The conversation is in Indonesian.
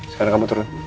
sekarang kamu turun